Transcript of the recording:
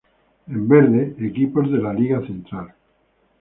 En verde, equipos de la Liga Central.